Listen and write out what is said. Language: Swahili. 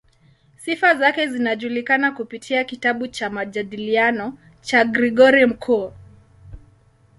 Sifa zake zinajulikana kupitia kitabu cha "Majadiliano" cha Gregori Mkuu.